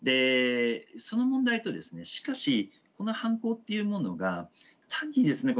その問題とですねしかしこの犯行っていうものが単にですね